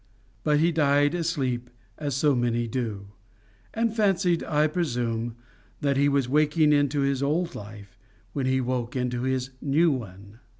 But he died asleep, as so many do; and fancied, I presume, that he was waking into his old life, when he woke into his new one.